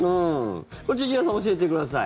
これ、千々岩さん教えてください。